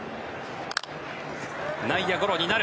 内野ゴロになる。